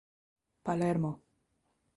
Palermo.